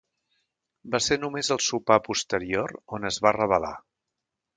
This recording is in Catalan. Va ser només al sopar posterior on es va revelar.